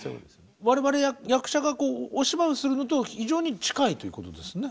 我々役者がお芝居をするのと非常に近いということですね。